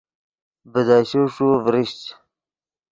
بیدشے ݰو ڤریشچ